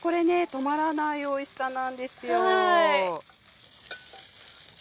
止まらないおいしさなんですよ。